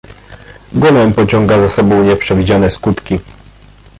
"Golem pociąga za sobą nieprzewidziane skutki."